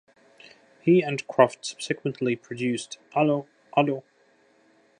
He and Croft subsequently produced 'Allo 'Allo!